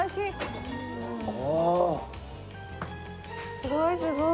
すごいすごい。